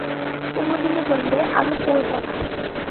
কুমুদিনী বললে, আমি পরব না।